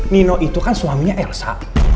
nino itu kan suaminya elsa